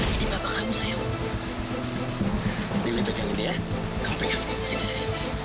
ini bapak kamu sayang kamu diurut pegang ini ya kamu pegang ini sini sini sini